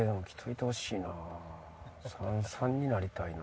３−３になりたいな